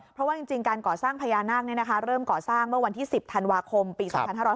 เพราะว่าจริงการก่อสร้างพญานาคเริ่มก่อสร้างเมื่อวันที่๑๐ธันวาคมปี๒๕๕๙